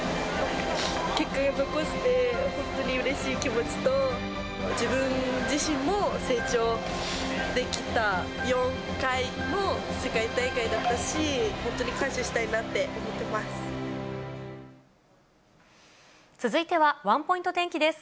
結果が残せて本当にうれしい気持ちと、自分自身も成長できた、４回の世界大会だったし、本当に感謝した続いては、ワンポイント天気です。